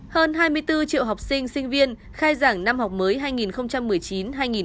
hơn hai mươi bốn triệu học sinh sinh viên khai giảng năm học mới hai nghìn một mươi chín hai nghìn hai mươi